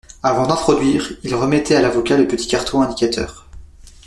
Avant d'introduire, il remettait à l'avocat le petit carton indicateur.